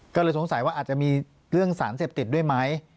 ก็เลยสงสัยว่าอาจจะมีเรื่องสารเสพติดด้วยไหม